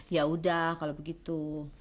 ya udah kalau begitu